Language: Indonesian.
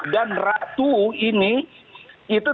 dan ratu ini itu ternyata